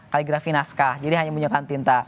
kaligrafi naskah jadi hanya menyiapkan tinta